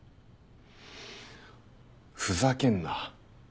ふざけんな。